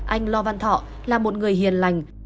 anh lo văn thọ là một người hiền lành